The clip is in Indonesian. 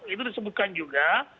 itu disebutkan juga